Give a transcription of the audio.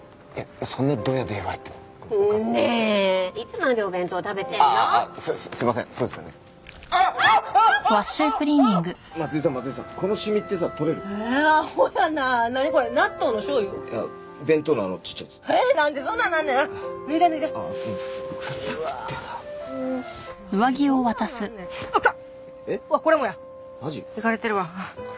いかれてるわ。